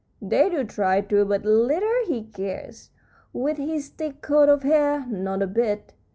"They do try to, but little he cares, with his thick coat of hair. Not a bit.